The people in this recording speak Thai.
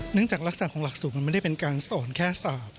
เนื่องจากรักษาของหลักสูตรมันไม่ได้เป็นการสอนแค่สาป